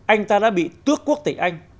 anh ta đã bị tước quốc tịch anh